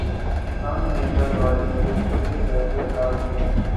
ہم نے گھر والی کو یہ کہہ کر ٹال دیا